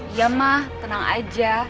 iya ma tenang aja